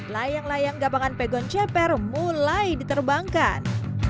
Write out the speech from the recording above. layang layang gabangan pegon ceper mulai diterbangkan